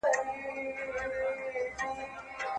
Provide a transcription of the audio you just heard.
اداري فساد د سند اعتبار کم کړی.